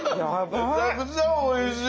めちゃくちゃおいしい！